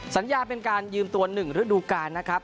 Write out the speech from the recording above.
สัญญาเป็นการยืมตัว๑ฤดูการนะครับ